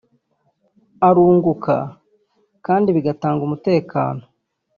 arunguka kandi bigatanga umutekano